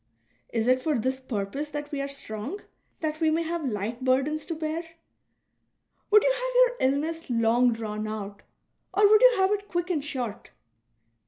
Is it for this purpose that we are strong, — that we may have light burdens to bear ? Would you have your illness long drawn out, or would you have it quick and short